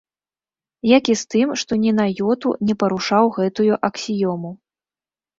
Як і з тым, што ні на ёту не парушыў гэтую аксіёму.